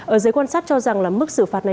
ở giới quan sát cho rằng là mức xử phạt này